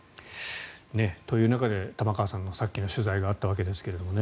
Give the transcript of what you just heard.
という中で玉川さんのさっきの取材があったわけですけどね。